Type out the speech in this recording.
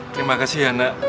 terima kasih ya nak